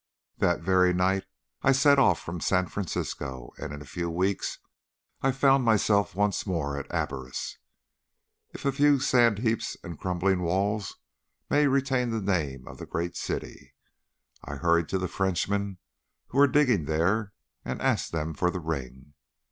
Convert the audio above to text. "That very night I set off from San Francisco, and in a few weeks I found myself once more at Abaris, if a few sand heaps and crumbling walls may retain the name of the great city. I hurried to the Frenchmen who were digging there and asked them for the ring.